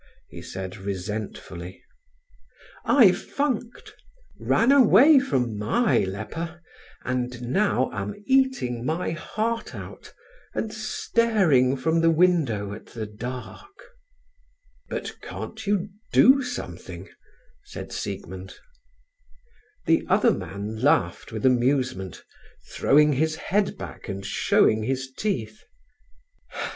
he said, resentfully. "I've funked ran away from my leper, and now am eating my heart out, and staring from the window at the dark." "But can't you do something?" said Siegmund. The other man laughed with amusement, throwing his head back and showing his teeth.